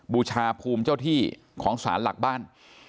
บูชาภูมิเจ้าที่ของสารหลักบ้าน